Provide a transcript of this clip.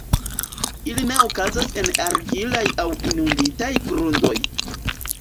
Ili ne okazas en argilaj aŭ inunditaj grundoj.